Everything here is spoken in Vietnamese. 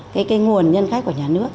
cái nguồn nhân khách của nhà nước